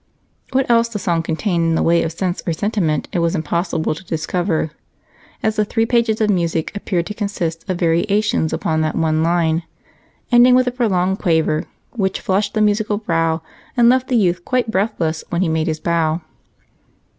What else the song contained in the way of sense or sentiment it was impossible to discover as the three pages of music appeared to consist of variations upon that one line, ending with a prolonged quaver which flushed the musical brow and left the youth quite breathless when he made his bow.